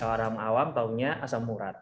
orang awam taunya asam urat